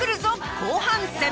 後半戦。